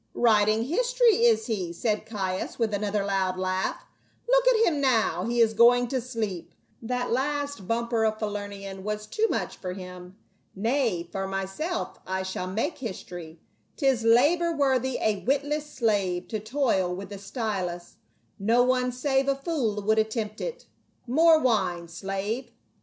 "Writing history, is he?" said Caius, with another loud laugh. " Look at him now, he is going to sleep ; that last bumper of Falernian was too much for him. Nay, for myself I shall make history ; 'tis labor worthy a witless slave to toil with the stylus, no one save a fool would attempt it. More wine, slave."